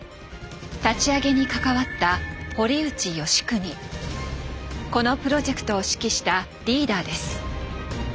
立ち上げに関わったこのプロジェクトを指揮したリーダーです。